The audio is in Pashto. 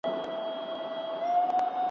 زړه ته نیژدې دی او زوی د تره دی `